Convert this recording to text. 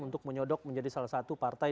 untuk menyodok menjadi salah satu partai